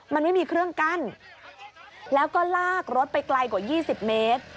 มันไม่มีเครื่องกั้นแล้วก็ลากรถไปไกลกว่า๒๐เมตร